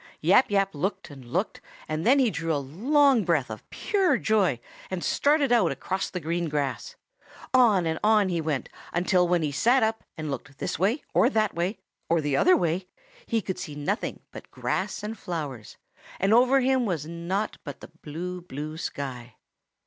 "Yap Yap looked and looked, then he drew a long breath of pure joy and started out across the green grass. On and on he went, until when he sat up and looked this way or that way or the other way he could see nothing but grass and flowers, and over him was naught but the blue, blue sky.